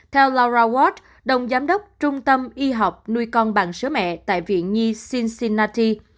theo laura ward đồng giám đốc trung tâm y học nuôi con bằng sữa mẹ tại viện nhi cincinnati